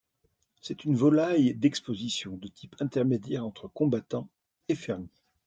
C'est une volaille d'exposition, de type intermédiaire entre combattant et fermier.